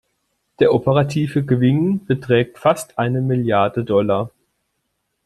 Der operative Gewinn beträgt fast eine Milliarde Dollar.